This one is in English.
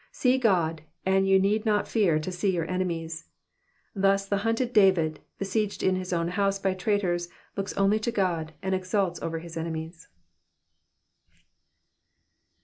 See God, and you need not fear to see your enemies. Thus the hunted David, besieged in his own house by traitors, looks only to God, and exults over his enemies.